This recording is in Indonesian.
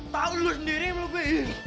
tahu lu sendiri yang meluk gue